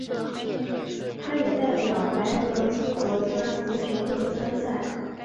他也代表白俄罗斯国家足球队参赛。